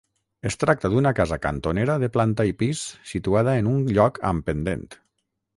Es tracta d'una casa cantonera de planta i pis situada en un lloc amb pendent.